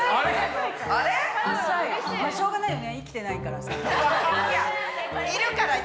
しょうがないよね生きてないからさ。